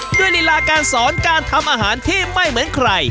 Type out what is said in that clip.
ลีลาการสอนการทำอาหารที่ไม่เหมือนใคร